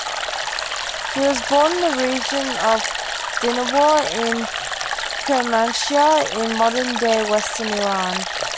He was born in the region of Dinawar, in Kermanshah in modern-day western Iran.